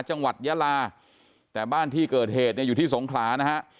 จังหวัดยาลาแต่บ้านที่เกิดเหตุเนี่ยอยู่ที่สงขลานะฮะ